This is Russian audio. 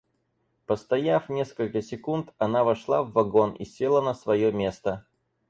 Постояв несколько секунд, она вошла в вагон и села на свое место.